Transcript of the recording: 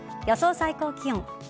予想最高気温。